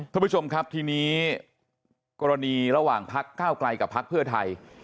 ท่านผู้ชมครับทีนี้กรณีระหว่างพักก้าวไกลกับพักเพื่อไทย